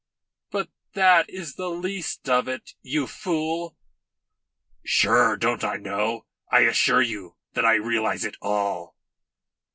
"But that is the least of it, you fool." "Sure, don't I know? I assure you that I realise it all."